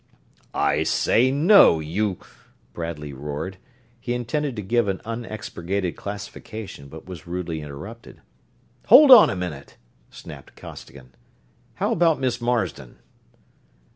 "I say NO, you...." Bradley roared. He intended to give an unexpurgated classification, but was rudely interrupted. "Hold on a minute!" snapped Costigan. "How about Miss Marsden?"